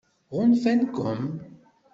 Ɣunfan-kem?